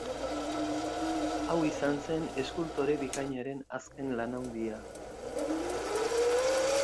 Hau izan zen, eskultore bikainaren azken lan handia.